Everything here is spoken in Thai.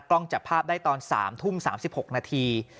กล้องจับภาพได้ตอน๓ทุ่ม๓๖นาที